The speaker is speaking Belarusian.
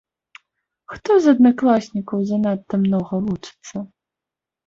Хто з аднакласнікаў занадта многа вучыцца?